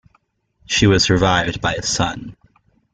She was survived by a son.